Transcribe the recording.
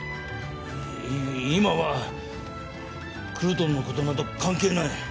今はクルトンのことなど関係ない！